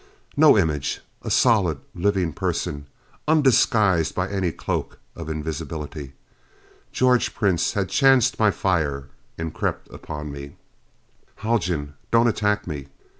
No image. A solid, living person, undisguised by any cloak of invisibility. George Prince had chanced my fire and crept upon me. "Haljan! Don't attack me."